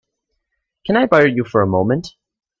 Can I borrow you for a moment?